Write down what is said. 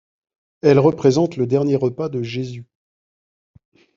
Elle représente le dernier repas de Jésus.